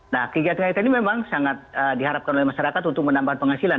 nah kegiatan kegiatan ini memang sangat diharapkan oleh masyarakat untuk menambah penghasilan